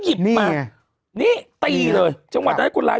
ยังไงยังไงยังไงยังไง